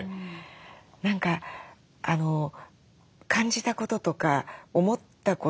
何か感じたこととか思ったこと。